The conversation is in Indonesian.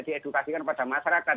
diedukasikan pada masyarakat